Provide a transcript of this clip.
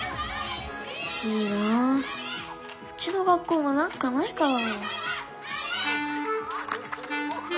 いいなうちの学校もなんかないかな。